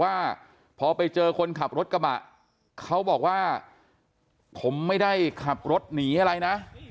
ว่าพอไปเจอคนขับรถกระบะเขาบอกว่าผมไม่ได้ขับรถหนีอะไรนะ